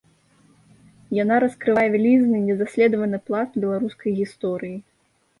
Яна раскрывае вялізны недаследаваны пласт беларускай гісторыі.